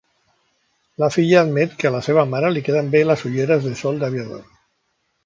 La filla admet que a la seva mare li queden bé les ulleres de sol d'aviador.